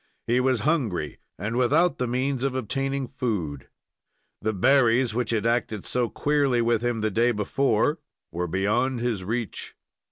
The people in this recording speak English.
He was hungry, and without the means of obtaining food. The berries, which had acted so queerly with him the day before, were beyond his reach.